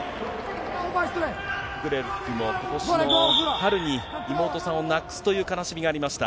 フクレクも、ことしの春に妹さんを亡くすという悲しみがありました。